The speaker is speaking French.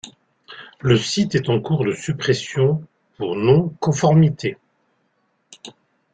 Le site est en cours de suppression pour non-conformité.